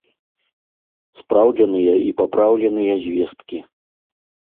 Спраўджаныя і папраўленыя звесткі!